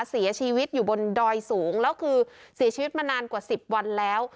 เสียชีวิตอยู่บนดอยสูงแล้วคือเสียชีวิตมานานกว่า๑๐วันแล้ว